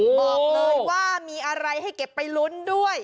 บอกเลยว่ามีอะไรให้เก็บไปลุ้นด้วย